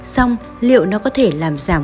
xong liệu nó có thể làm giảm